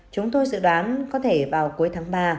chúng tôi dự đoán có thể vào cuối tháng ba